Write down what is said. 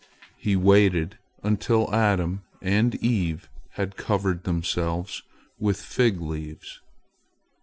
He waited until Adam and Eve had covered themselves with fig leaves.